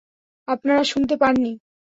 আপনারা শুনতে পাননি?